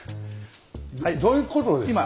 どういうことですか？